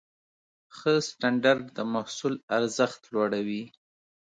ښه سټنډرډ د محصول ارزښت لوړوي.